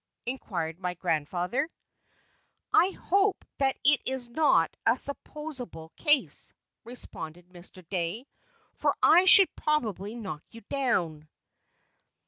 inquired my grandfather. "I hope that is not a supposable case," responded Mr. Dey, "for I should probably knock you down."